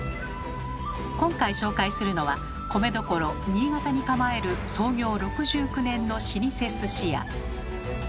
今回紹介するのは米どころ新潟に構える創業６９年の老舗鮨屋。